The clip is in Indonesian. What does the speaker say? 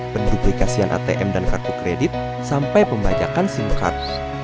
penduplikasian atm dan kartu kredit sampai pembajakan sim card